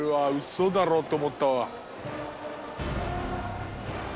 嘘だろと思ったわ。